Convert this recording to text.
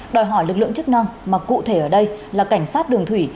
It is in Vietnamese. đòi hỏi lực lượng chức năng mà cụ thể ở đây là cảnh sát đường thủy